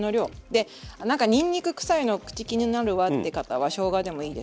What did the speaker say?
で何かにんにく臭いの口気になるわって方はしょうがでもいいですし。